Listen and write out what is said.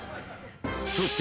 ［そして］